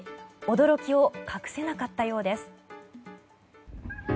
驚きを隠せなかったようです。